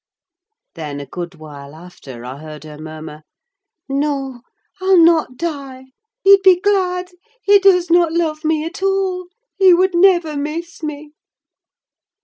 Then a good while after I heard her murmur, "No, I'll not die—he'd be glad—he does not love me at all—he would never miss me!"